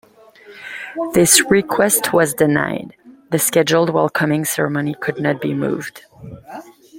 This request was denied - the scheduled welcoming ceremony could not be moved.